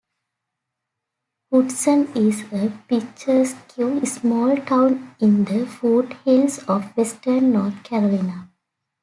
Hudson is a picturesque small town in the foothills of Western North Carolina.